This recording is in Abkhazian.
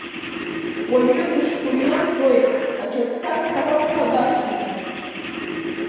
Уажәы бшыгәырҩо збоит, аҽак сабҳәароуп ҳәа басҳәаӡом.